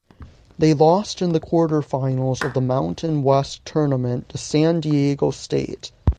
They lost in the quarterfinals of the Mountain West Tournament to San Diego State.